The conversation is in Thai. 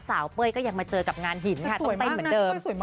เป้ยก็ยังมาเจอกับงานหินค่ะต้องเต้นเหมือนเดิม